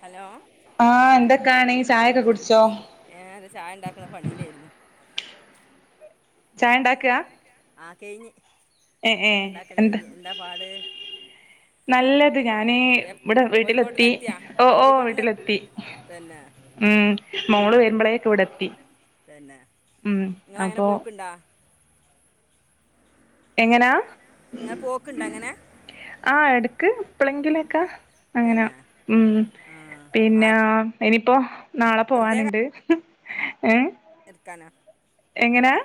Hello, ആഹ് എന്തൊക്കെയാണ് ചായൊക്കെ കുടിച്ചോ? ഏഹ് അത് ചായ ഉണ്ടാക്കുന്ന പണിയിലായിരുന്നു. ചായണ്ടാക്ക. ആഹ് കഴിഞ്ഞ് ഒക്കെ ഇണ്ടാക്കൽ കഴിഞ് എന്താ പാട്? നല്ലത് ഞാന് ഇവിടെ കോഴിക്കോട്ട്ന്ന് വീട്ടിലെത്തി എത്തിയാ ഓഹ് ഓഹ് കോഴിക്കോട്ട്ന്ന് വീട്ടിലെത്തി. തന്നെ. ഉം മോള് വരുമ്പോളേക്കെ ഇവിടെത്തി തന്നെ ഉം നിങ്ങളങ്ങനെ അപ്പൊ. പോക്കുണ്ടോ എങ്ങനാ. ഇങ്ങനെ പോക്ക്ണ്ട അങ്ങനെ. ആഹ് എടുക്ക് എപ്പോളെങ്കിലൊക്കാ. അങ്ങനെ തന്നെ ഉം ആ പിന്നെ. ആര ഇനിയിപ്പോ നാളെ പോവാനുണ്ട് ഏ നിർക്കാനോ എങ്ങനാ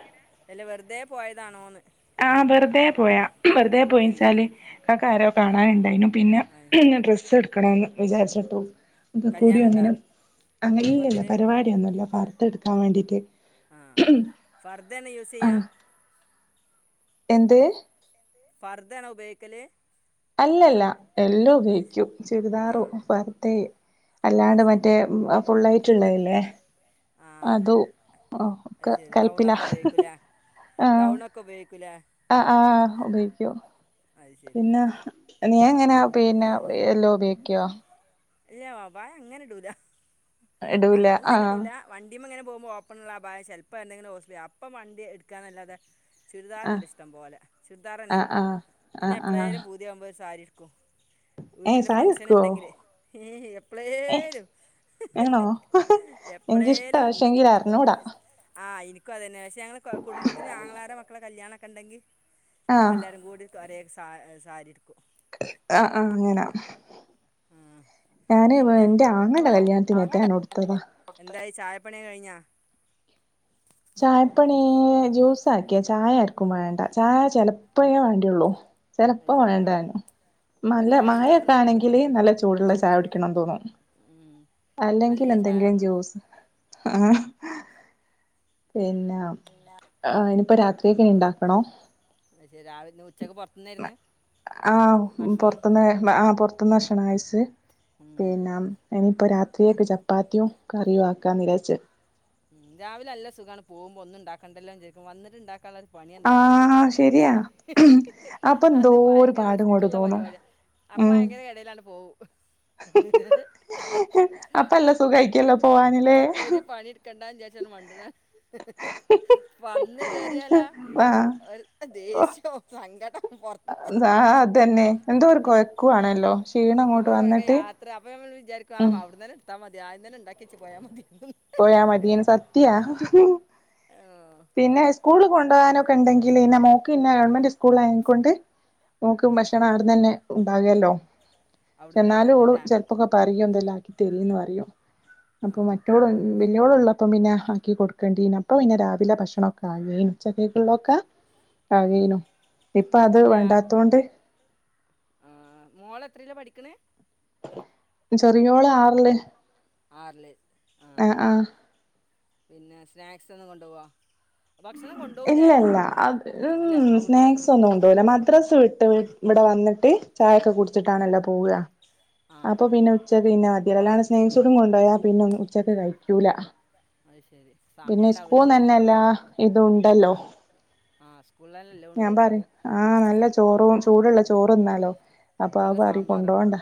അല്ല വെറുതെ പോയതാണോന്ന്. ആഹ് വെറുതെ പോയ വെറുതെ തന്നെ പോയിച്ചാല്. ഇക്കാകാരോ കാണാനുണ്ടായിനു പിന്നെ ആ ഡ്രസ് എടുക്കണന്ന് വിചാരിച്ചിട്ടു. ഇക്കെ കല്യാണം കൂടിയും ഉണ്ടോ അങ്ങനെ കുടുംബത്തിൽ അങ്ങനല്ലല്ലോ പരിപാടിയൊന്നുല്ല പർതടുക്കാൻ വേണ്ടിട്ട്. ആഹ് ഫർദയാണോ യൂസ് ചെയ്യാ. ആഹ് എന്ത്. ഫർദനോ ഉപയോഗിക്കല് അല്ലല്ല എല്ലോ ശ- ഉപയോഗിക്കും ആ ചുരിദാറു പർദയും. അത് അല്ലാണ്ട് ശരി മറ്റേ ഫുള്ളയിട്ടുള്ളല്ലേ. ആഹ് അതും ഒക്ക അത് ശരി കല്പ്പില. ഗൗണൊക്കെ ഉപയോഗിക്കൂലേ ഗൗണൊക്കെ ഉപയോഗിക്കൂലേ. ആഹ് ആഹ് ഉപയോഗിക്കൂ. അത് ശരി പിന്നെ നീ എങ്ങനെ ഉം പിന്നെ എല്ലോ ഉപയോഗിക്കോ ഇല്ല അബയാ അങ്ങനെ ഇടൂല ഇടൂല അങ്ങനെ ആഹ് ഇടൂല. വണ്ടിമ്മങ്ങനെ പോവുമ്പോൾ ഓപ്പണ്ള്ള അഭായം ചിലപ്പോൾ എന്തെങ്കിലും ഓസ അപ്പ വണ്ടിടുക്കാൻ എന്നല്ലാെതെ ആഹ് ചുരിദാറുണ്ട് ഇഷ്ടം പോലെ ചുരിദാർന്നെ ആഹ് ആഹ് പിന്നെ ആഹ് ആഹ് എപ്പഴേലും പൂതിയാവുമ്പോ ഒരു സാരി എടുക്കും. ഏഹ് വീട്ടില് സാരി ഫംഗഷൻ ഉടുക്കുവോ ഉണ്ടെങ്കില് ഏയ് ഏഹ് എപ്പളെലും. ആണോ എനിക്കിഷ്ടാ എപ്പളേലും ഒന്ന്. പക്ഷെങ്കിൽ അറിഞ്ഞൂടാ ആഹ്നിക് അതന്നെ പക്ഷെ ഞങ്ങള് കുടുംബത്തിന് ആങ്ങളാര മക്കളെ കല്യാണം ഒക്കെണ്ടെങ്കിൽ. ആഹ് ഞങ്ങളെല്ലാരും കൂടി ഒരേ സ സാരിടുക്കും. ആഹ് ആഹ് അങ്ങനാ. ആഹ് ഞാന് പിന്നെ എന്റെ ആങ്ങശടെ കല്യാണത്തിന് അങ്ങ എറ്റാ ഉടുത്തതാ. എന്തായി ചായപ്പണിയൊക്കെ കഴിഞ്ഞാ. ചായപ്പണി ജ്യൂസ ആാക്കിയാ ചായ ആർക്കും വേണ്ട ചായ ചെലപ്പോ വേണ്ടിയുള്ളൂ. അത് ചെലപ്പോ ശരി ഇവിടെ വേണ്ടാനും. ഇവിടെ നല്ല ചായ എനിക്ക് മായൊക്കെ നിർബന്ധ ആണെങ്കിൽ നല്ല ചൂടുള്ള ചായ കുടിക്കണം തോന്നും. ഉം അല്ലെങ്കിൽ നല്ല ചായ എന്തെങ്കിലും വേണം അത് ജ്യൂസ് ആഹ പിന്നെ. ഇല്ല. ആ ഇനിപ്പോ രാത്രിയേക്കിനി ഇണ്ടാക്കണം എന്ത് വെച്ചാൽ രാവിലെ ഉച്ചക്ക് പുറത്ത ആഹ് പൊറത്തന്ന് ആഹ് പൊറത്തന്ന് ഭക്ഷണം കഴച്ച്. ഉം പിന്നെ ഇനിയിപ്പോ രാത്രിയൊക്കെ ചപ്പാത്തിയയും കറിയും ആക്കാന്ന് വിചാരിച്ചു. ഉം രാവിലെല്ല സുഖമാണ് പോകുമ്പോ ഒന്നും ഉണ്ടാക്കണ്ടല്ലോ വിച്ചാരിക്കും വന്നിട്ട്ണ്ടാക്ക. ള്ള ഒരു പണി എന്താന്നറിയോ ആഹ് ശരിയാ അപ്പൊ എന്തോ അത് ഒരു ഭയങ്കര പാട് ഇങ്ങോട്ട് റിസ്ക്ള്ള തോന്നും പരിപാടിയ. അപ്പൊ ഉം ഭയങ്കര ഇടയിലാണ് പോവും അപ്പ നല്ല സുഖായിക്കല്ലോ പോവാനില്ലേ ഒര് പണി കണ്ടാവിചാരിച്ച് മണ്ട്ണാണ. വന്ന് കേറിയാലോ ആഹ് ഒരുത്തൻ ദേഷ്യവും സങ്കടം പുറത്ത്. ആഹ ആഹ ദ്. തന്നെ എന്തോരു കൊയ്ക്കുവാണല്ലോ ക്ഷീണം ഇങ്ങോട്ട് എന്തോരം കുഴക്ക വന്നിട്ട് ഉം ത്താ മതി ആദ്യം തന്നെ ഇണ്ടാക്കിച്ച് പോയാൽ മതി പോയാമതിന്ന് സത്യാ. ഏ പിന്നെ സ്കൂള് കൊണ്ട്കാനൊക്കെ ഇണ്ടെങ്കിൽി പിന്നെ മോക്ക് 'പിന്നെ ഗവൺമെന്റ് സ്ക്കൂ സ്കൂൾ ആയത്ക്കൊണ്ട് ആ മോക്ക് ഭക്ഷണം അവിടെന്ന് തന്നെ ഉണ്ടാകല്ലോ. അവിടന്ന്ന്നെ കിട്ടോല്ലല്ല ലെ. അപ്പൊക്കെ കറിയും എന്തെല്ല ആക്കി തരിന്ന് പറയും ആ അപ്പോ പിനെ വഉള്ളപ്പം പിന്നെ ആക്കി കൊടുക്കേണ്ടിന അപ്പം പിന്നെ രാവിലെ ഭക്ഷണൊക്കെ ആകേനു ഉച്ചക്കുള്ളൊ തൊക്കെ. ട്ട. ആവേനു ഇപ്പൊ അത് വേണ്ടാത്തോണ്ട്. ആ മോള എത്രല്ലാ പഠിക്കണെ? ചെറിയോള് ആറില്‌. ആറില് ആ പിന്നെ സ്നാക്സ് ഒന്നും കൊണ്ടുവോ? ഇല്ല ഇല്ല അത് അല്ല ഉം അവിടുന്ന് തന്നെ സ്നാക്സ് ഒന്നും കൊണ്ടോവൂല മദ്രാസ് വിട്ട ഇവിടെ വന്നിട്ട് ചായൊക്കെ കുടിച്ചിട്ടാണില്ല പോകാ അപ്പൊ ആ പിന്നെ. ഉച്ചക്ക് പിന്നെ മതിയല്ല അല്ലാണ് സ്നേക്സന്നും കൊണ്ടു പോയാ പിന്നെന്നും ഉച്ചക്ക് കഴിക്കൂല. അത് ശരി സമയം പിന്നെ ഉണ്ടാവില്ല സ്കൂന്ന് തന്നെയെല്ലാ. ഇത്ണ്ടല്ലോ ഉം. ആ സ്കൂളിലെല്ലാം ഞാൻ ഉണ്ട് പറയും. ആഹ നല്ല ചോറും ചൂടുള്ള ചോറന്നാലോ. അപ്പൊ ആ നല്ല പറി സാമ്പാറും കൊണ്ടുപോണ്ട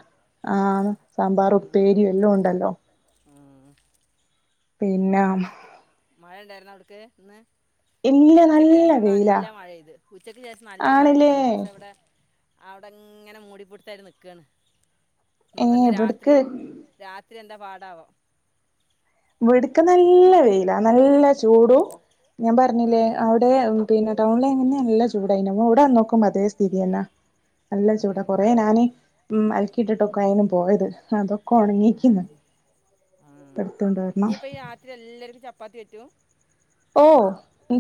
ആഹ സാമ്പാറ ഉം, ഉപ്പേരിയും എല്ലാം ഉണ്ടല്ലോ. ഉം പിന്നെ അങ്ങനെ മഴ ഇണ്ടായിരുന്നൊ അവിടക്ക് ഇന്ന്. ഇല്ല ഉച്ചക്ക് നല്ല ശേഷം അവിടെ വെയിലാ നല്ല മഴെയ്ത് ഉച്ചക്ക് ശേഷം നല്ലൊരു മഴ്ത് ആണില്ലേ അതിന് ശേഷം ഇവിടെ. അവിടെങ്ങനെ മൂടിപൊടുത്തയിട്ട് നിക്കാണ് നീ ഏഹ് ഇന്ന് രാത്രി. ഇവിടക്ക് രാത്രി എന്താ പാടാവോ. ഇവിട്ക്ക നല്ല വെയില നല്ല ചൂടും ഞാൻ ആ പറഞ്ഞില്ലേ അവിടെ. പിന്നെ ടൗണില് ആയി നന്ന് നല്ല ചൂടായി നു അങ്ങനെ ഇവിടെ വന്നോക്കു മ്പം അതേ സ്ഥിതിയ ന്നെ നല്ല ചൂടാ പിന്നെ കൊറെ ഞാന് ഉം അലക്കിയിട്ടിട്ടൊക്കെ അയിന് പോയത് അതൊ ആ ആ എടുത്തോണ്ട് വരണം ഇനിയിപ്പ ഈ രാത്രി എല്ലർക്കും ചപ്പാത്തി പറ്റൂ ഓ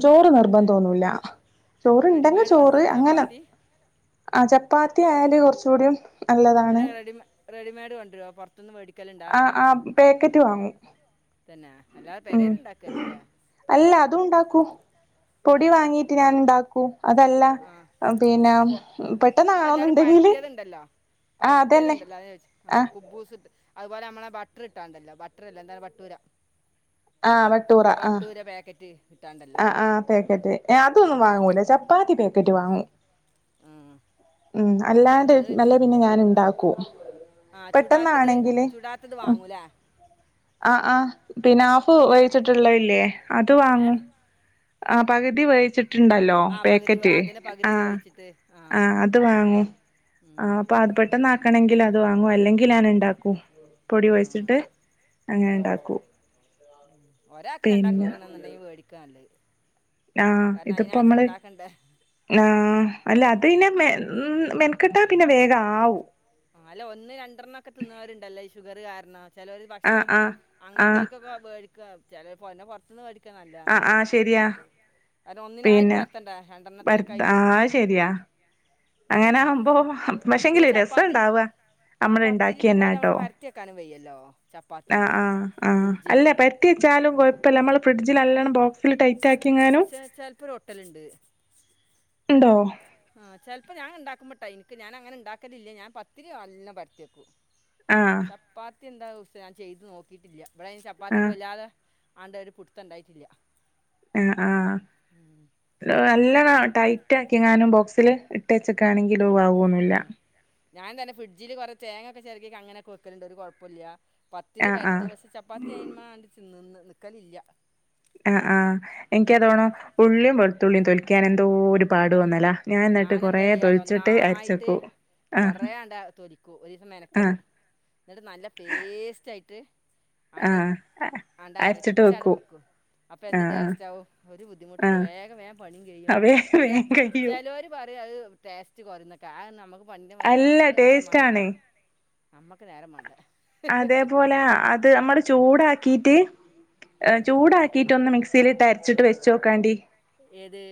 ചോറ് നിർബന്ധൊന്നുല്ല ചോറുണ്ടെങ്കി റെഡിമെയ്ഡ് ചോറ് കൊണ്ടുവരുമോ അങ്ങനെ ചപ്പാത്തി ആ ചപ്പാത്തി ആയല് കൊറ്ച്ചൂ ടീ നല്ലതാണ്. റെഡിമേഡ് കൊണ്ടരോ പൊറ് ത്ത്ന്ന് മേടിക്കലുണ്ടേ ആഹ് ആഹ് പാക്കറ്റ് വാങ്ങും തന്നെ അല്ലാതെ ഉം പെരേല് ഇണ്ടാക്കലില്ല ല്ലേ അല്ല അതും അല്ല ഉണ്ടാക്കൂ അതും ണ്ടാ പൊടി വാങ്ങീട്ട് ഞാൻ ഉണ്ടാക്കൂ അതല്ല ആ പിന്നെ ഇപ്പോൾ പെട്ടെന്നാണോന്നുണ്ടെങ്കില് ആ പരത്തിയത് അതന്നെ ണ്ടല്ലോ അതെ ഞാ ചോയ്ച്ച്‌ ആ കുബൂസ് ണ്ട് അതുപോലെ നമ്മ ളെ ബട്ടർ ഇട്ടാണ്ടല്ലോ ബട്ടറ് ല്ല എന്താണ് ബട്ടൂര ആഹ് ബ ബട്ടൂര പാക്കറ്റ് കിട്ടാണ്ടല്ലോ ആഹ് പാക്കറ്റ് ഏ അതൊന്നും വാങ്ങൂല ചപ്പാത്തി പാക്കറ്റ് വാങ്ങും ഉം ഉം അല്ലാണ്ട് അത് അല്ലേ പിന്നെ ഞാന് ണ്ടാക്കും ആഹ് ചുടാത്തത് ചുടാത്തത് വാങ്ങുല്ലേ ആഹ് ആഹ് പിന്നെ ഹാഫ് ആ വേവിച്ച്ട്ട്ള്ള ഇല്ലേ അത് ഏ വാങ്ങും ആഹ് പകുതി വേവിച്ചി ട്ട്ണ്ടല്ലോ ആ പകുതി വേ- പാക്കറ്റ് അതിനെ പകുതി ആഹ് വേവിച്ചിട്ട് ആ അത് വാങ്ങും ഉം. ആഅപ്പം അത് പെ ട്ടന്ന് ആക്കണങ്കിൽ അത് വാങ്ങും അല്ലെങ്കിൽ ഞാൻ ഉണ്ടാക്കും പൊടി ഉം. കൊഴച്ച്ട്ട് പൊടി അങ്ങനെ ണ്ടാക്കും കുഴച്ചിട്ട് ഉം ഒരാക്ക് രണ്ടാക്ക് ക്കെണന്നുണ്ടെങ്കി വേടിക്കാ നല്ലേ ആഹ് കാരണം ഇതിപ്പോ അയിനായിട്ട് നമ്മള് ഇണ്ടാക്കണ്ടേ ആഹ് അല്ല അത് ന്നെ മെ മെൻകെട്ടാ പിന്നെ വേഗ ആവും ആ അല്ല ഒന്ന് രണ്ടെണ്ണം ഒക്കെ തിന്ന് ണോര്ണ്ടല്ലേ ഈ ഷുഗർ കാരണം ചെലോര് ആഹ് ഭക്ഷണം ആഹ് അങ്ങൻ ആഹ് ത്തോർക്കൊക്കെ വേടിക്ക ചെലെപ്പം ന്നെ പുറത്ത്ന്ന് വേടി ക്ക്ണ നല്ല അങ്ങൻ ത്തോര്ക്ക് ആഹ് ആഹ് ശരിയാ കാര ണ്ണം ഒന്നിനായിട്ട് പിന്നെ പരത്തണ്ട രണ്ടെണ്ണത്തിനൊക്കെ വരുത്ത ആയിട്ട് ആഹ് അത് ശരിയാ അങ്ങനെ ഉം. ആകുമ്പം പക്ഷേങ്കില് [inaudible] രസം ഇണ്ടാവാ ആ നമ്മള് പത്തിരിന്റെ പോലെ നമ്മള് ഇണ്ടാക്കിയെന്നാട്ടോ പരത്തി വെക്കാനും വയ്യല്ലോ ചപ്പാത്തി ആഹ് ആഹ് ആഹ് അല്ല ഫ്രിഡ്ജില് പരത്തി വെച്ചാലും കൊഴപ്പല്ല നമ്മള് ഫ്രഡ്ജില് നോല്ലണം ബോക്സ് ള്ള് ടൈറ്റ് ആക്കിങ്ങാനും ചിലപ്പോൾ ഒരു ഒട്ടലുണ്ട് ഉണ്ടോ ആഹ് ചെലപ്പോ ഞാൻ ഉണ്ടാക്കുമ്പ ട്ടോ ഇൻക്ക് ഞാന് അങ്ങനെ ഉണ്ടാക്കലില്ല ഞാൻ പത്തിരി നല്ല പരത്തിയക്കും ആഹ് ചപ്പാത്തി എന്താവും സേ ഞാൻ ചെയ്ത് നോക്കിട്ടില്ല ഇവിടെ ചപ്പാത്തിക്ക് ആഹ് വല്ലാതെ ആണ്ട ഒര് പുടുത്തണ്ടായിട്ടില്ല ആ ആഹ് നല്ലോണം ടൈ റ്റാക്കിങ്ങാനും ബോക്സില് ഇട്ട് വെച്ചക്കാണെങ്കിലും ആവൊന്നുല്ല ഉം. ഞാൻ തന്നെ ഫിഡ്ജില് കൊറെ തേങ്ങക്കെ ചെരക്കി അങ്ങനെ ക്കെ വെക്കല്ണ്ട് ഒരു കൊഴപ്പല്ലാ പത്തിരി ആഹ് ആഹ് പരത്തും പക്ഷേ ചപ്പാത്തി അയിന്മാണ്ടി നിന്ന് നിൽക്കലില്ല ആഹ് ആഹ് എനക്ക് അതോണ ഉള്ളിയും വെളുത്തുള്ളിയും തോലിക്കാൻ എന്തോരു പാട് വന്നല്ലാ ഞാന എന്താ ചെയ്യാറ ഒന്നായിട്ട് ആഹ് കൊറേണ്ട തൊല ഒരു ദിവസം ആഹ് മെനക്കടും എന്നിട്ട് നല്ല പേസ്റ്റ് ആയിട്ട് ആണ്ട് ആഹ് ആണ്ട് അരച്ചിട്ട് അരച്ചവട് വെക്കൂ വെക്കും അപ്പൊ എന്ത് ആഹ് ടേസ്റ്റ് ആവും ഒരു ബുദ്ധിമുട്ടില്ല ആഹ് വേഗം വേഗം പണിയും കഴിയും ആഹ് വേഗം വേഗം കഴിയും ചെല്ലോര് പറയും അത് ടേസ്റ്റ് കൊറുന്നൊക്കെ ആ നമ്മുക്ക് പണ്ടിന്റെ വര അല്ല നമുക്ക് നേരം വേണ്ടേ ടേസ്റ്റാണ് അമ്മക്ക് നേരം വേണ്ടേ അതേപോലെ അത് നമ്മള് ചൂടാക്കീട്ട് ചൂടാക്കിട്ട് ഒന്ന് മിക്സിലിട്ട് അരച്ചിട്ട് വെച്ച നോക്കാണ്ടി ഏത്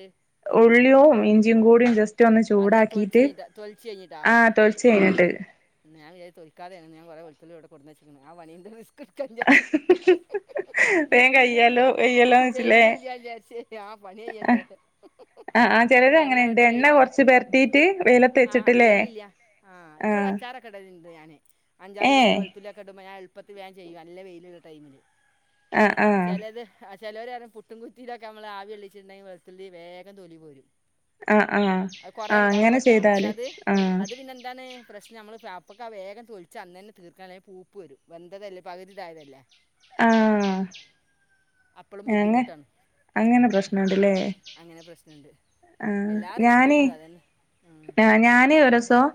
ഉള്ളിയും ഇഞ്ചിയും കൂടിയും ജസ് ഒന്ന് അത് ഞാൻ തൊലിച്ച് ചൂടാക്കിട്ട് കഴിഞ്ഞിട്ടാ തൊലിച്ച് കഴിഞ്ഞിട്ടാ ആ തോലിച്ച് കഴിഞ്ഞിട്ട് ഞാൻ വിചാരിച്ച് തൊലിക്കാതെയാണെന്ന് ഞാൻ കൊറെ വെളുത്തുള്ളി ഇവിടെകൊണ്ടച്ച് ആ പണീന്റെ റസ്റ്റു ക വേഗം വെയില് കയ്യാലോ കയ്യല്ലോന്ന് വെച്ചില്ലേ വെയിലല്ലച്ച ആ പണി ചെയ്യണ്ട ആ ആ ചെലര് അങ്ങനെയുണ്ട് എണ്ണ കൊറച്ചു പേർ ആഹ് വെയിലില്ല ആ ഇക്ക ഇവിടെ ആഹ് അച്ചാറൊക്കെ ഇടിണ്ട് ഞാന് അഞ്ചാറ് കിലോ ഏഹ് ചല്ലൊ ഇടുമ്പോൾ ഞാൻ എളുപ്പത്തി വാൻ ചെയ്യും അല്ലേ വെയിലുള്ള ടൈമില് ആഹ് ആഹ് ചിലത് ആ ചെലവര് പറയൂം പുട്ടു കുറ്റിയിലൊക്കെ നമ്മള് ആവികൊള്ളിച്ചിട്ടുണ്ടെങ്കി എളുപ്പത്തില് വേഗം തൊലി പോരും ആഹ് ആഹ് അത് കൊറെ ആഹ് ഉണ്ടാവും അങ്ങനെ ട്ടോ പക്ഷെ ചെയ്താല് അത് ആഹ് അത് പിന്നെ എന്താണ് പ്രശ്നം നമ്മൾ അപ്പൊക്കെ വേഗം തൊലിച്ച് അന്ന് തന്നെ തീർക്കാനില് പൂപ്പ് വെരൂം വെന്തതല്ലേ പകുതിതായതല്ലേ ആഹ് അപ്പള് അങ്ങ ബുദ്ധിമുട്ടാണ് അങ്ങനെ പ്രശ്നമുണ്ടല്ലേ അങ്ങനെ പ്രശ്നുണ്ട് എല്ലാ റിസ്ക് ഉണ്ട് അതെ ആഹ് ഞാനേ ഒരുസം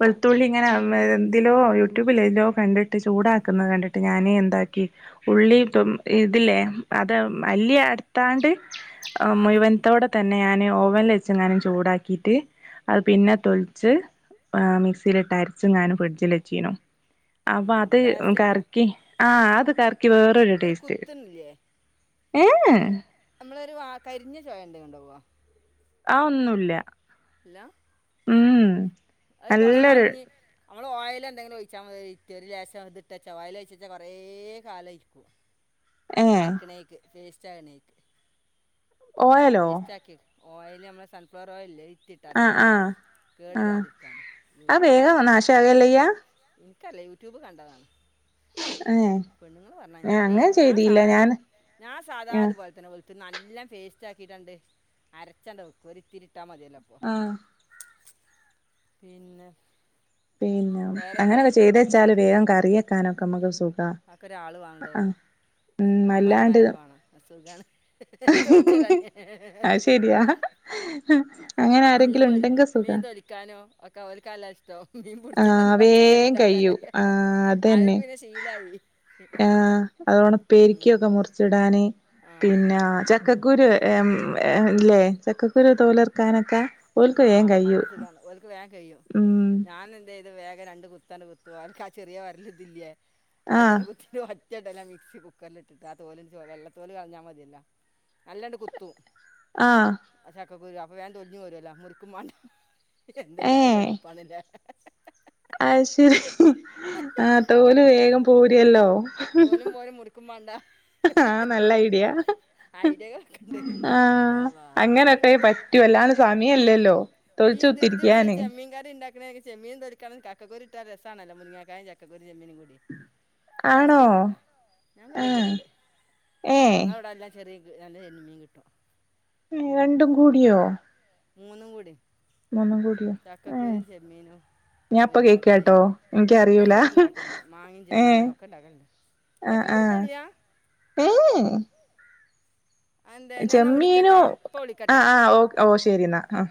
വെളുത്തുള്ളി ഇങ്ങനെ എലോ യൂട്യൂബില ഇതിലോ കണ്ടിട്ട് ചൂടാക്കുന്നത് കണ്ടിട്ട് ഞാനേ എന്താക്കി ഉള്ളി ഇപ്പം ഇതില്ലേ അതെ മല്ലി ത്താണ്ട് ആ മുഴുവനത്തോടെ തന്നെ ഞാൻ ഓവനിൽ വെച്ചങ്ങാനും ചൂടാക്കിയിട്ട് അത് പിന്നെ തൊലിച്ച് മിക്സിയിലിട്ട് അരച്ച് ഞാന് ഫ്രിഡ്ജിൽ വെച്ചീന്നു അപ്പൊ അത് അപ്പോൾ ടേസ്റ്റ് ഉണ്ടാ കറക്കി ആഹ അത് കർ വേറരു ഒരു ടേസ്റ്റ് കുത്തുന്നില്ലേ ഏഹ് നമ്മളൊരു വ കരിഞ്ഞ ചോഴ എന്ത ഉണ്ടാവാ ആഹ് ഒന്നുല്ല ഇല്ല ഉ ഉം അത് കൊറെ നല്ലൊരു കാലഞ്ഞ നമ്മൾ ഓയിൽ എന്തെങ്കിലും ഒഴിച്ചാൽ മതി ഇറ്റൊ ഒരു ലേശം ഇട്ട വച്ചൽ ഓയിൽ ഒഴിച്ച വച്ചൽ കുറെ കാലരിക്കും ഏഹ് അരക്കണേക്ക് പേസ്റ്റ് ആകണേക്ക് ഓയലോ പേസ്റ്റ ആക്കി ഓയില സൻഫ്ലോർ ഓയിലില്ലെ അതിറ്റ് ഇട്ടധിക ആഹ് ഇല്ല ആഹ് ആഹ് കേടരാതിരിക്കാന് അത് യൂട്യൂബ് വേഗം കണ്ടതാണ് നാശാകല്ലയ്യ എനിക്കറീല്ല യൂട്യൂബ് കണ്ടതാണ് ഏഹ് പെണ്ണുങ്ങൾ പറഞ്ഞതാ ഞാൻ അങ്ങനെ ചെയ്യൽ ഞാൻ ചെയ്തില്ല ഞാൻ ഞാൻ സാധാ അത് ആഹ് പോ ു നല്ല പേസ്റ്റ് ആയിട്ടണ്ട് അരച്ചണ്ട് വക്കും ഒരിത്തിരിട്ടാൽ മതിയല്ലോ ആഹ് പിന്നെ പിന്നെ വേറെന്താ അങ്ങനെയൊക്കെ ചെയ്ത വെച്ചാല് വേഗം കറിയെക്കാനൊക്കെ നമ്മുക്ക് സുഖാ ആക്കൊരാൾ വണടോ ആഹ് ഉം അല്ലാണ്ട് അമ്മായിമാരൊക്കെ വാണം സുഖാണ് തൊലിച്ചരാന്നേ അത് ശരിയാ അങ്ങനെ ആരെങ്കിലും ഉണ്ടെങ്കി സുഖ ക്കാനോ ഒ ൽ കാലഷ്ട ട് മീൻ ആഹ് പുടിച്ചനും പച്ചക്കറി വേം കഴിയും ഉണ്ടാക്കാനൊക്കെ ആഹ് അതന്നെ അവർക്ക് പിന്നെ ശീലായി അതോണ ഉപ്പേരിക്കൊക്കെ മുറിച്ചിടാന് ആ പിന്ന ച ചക്കക്കുരുല്ലേ ചക്കക്കുരു തോലിർക്കാനൊക്കെ ആഹ് നല്ല സുഖമാണ് ഒക്ക് വേഗം കെ യും ഉം ഞാനെന്ത യ്ത് വേഗം രണ്ട് കുത്തണ്ട് കുത്തോ അവർക്കാ ചെറിയ ഒരലതില്ലേ ആഹ് ആഴ്ച്ചന്ന കുത്തി ഒറ്റട്ടല്ല മിക്സി കുക്കറിൽ ഇട്ടിട്ട് ആ തോലി വെള്ളത്തോല് കളഞ്ഞാൽ മതിയല്ല നല്ലണ്ട് കുത്തും ആഹ് ചക്ക ക്കുരു അപ്പൊ വേൻ ണ്ട്തൊല്ഞ് പോരു അല്ലൊ മുറിക്കും വേണ്ട എന്തല്ലാഎളുപ്പാണല്ലെ അയ് ശരി ആഹ് തോല് വേഗം പോരുയല്ലോ തോലും മുറിക്കും മാ ആഹ് നല്ല ഐഡിയ ഐഡിയകളൊക്കെണ്ട് ആഹ് അള്ളാ അങ്ങനെ ക്കെ പറ്റു അല്ലാണ്ട്സമയ ല്ലല്ലോ ഈ ദിർദി പുടിച്ച്ചമ്മീൻ കറിണ്ടാ ചെമ്മീൻ തൊലിക്കാനും ചക്കക്കുറി ഇട്ട ഒരു രസമാണല്ലോ മുങ്ങാക്കായൻ ചക്കക്കുരും ചെമ്മീൻ കൂടി ആണോ ടേസ്റ്റ് ആണല്ല ഞാൻ കരി ആഹ് വെക്കല്ഉണ്ട് ഏഹ് ഞങ്ങളവിടെ എല്ലാം ചെറിയ നല്ല ചെമ്മീൻ കിട്ടും രണ്ടും കൂടിയോ മൂന്നും കൂടി മൂന്നും കൂടിയൊ ചക്കക്കുരും ചെമ്മീനും മുരിങ്ങാക്കായും കേക്കാട്ടോ കൂടി ഞങ്ങ എനിക്കറിയൂല ഇവിടെ ഉണ്ടാക്കലണ്ട് മാങ്ങയും ഏഹ് ചെമ്മീനും ഒക്കെ ഉണ്ടാക്കലുണ്ട് ചക്കകൂരുടൽല്ല ഊഹും അതെന്തേ ഞാനെന്നാ ചെമ്മീനു വിളിക്കട്ടാ ഇപ്പ ആഹ് വിളിക്കട്ടാ ആഹ് ഓ ഓ ശരി എന്നാ ആഹ്